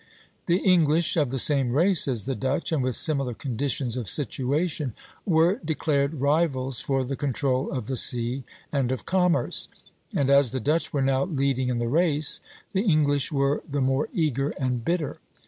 The English, of the same race as the Dutch, and with similar conditions of situation, were declared rivals for the control of the sea and of commerce; and as the Dutch were now leading in the race, the English were the more eager and bitter.